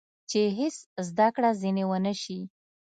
چې هېڅ زده کړه ځینې ونه شي.